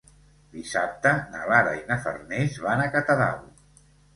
Dissabte na Lara i na Farners van a Catadau.